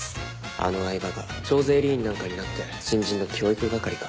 あの饗庭が徴税吏員なんかになって新人の教育係か。